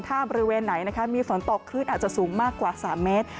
ถ้าบริเวณไหนนะคะมีฝนตกคลื่นอาจจะสูงมากกว่า๓เมตร